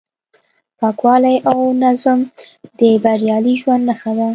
پاکوالی او نظم د بریالي ژوند نښه ده.